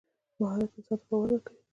مهارت انسان ته باور ورکوي.